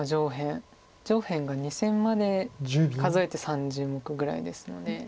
上辺が２線まで数えて３０目ぐらいですので。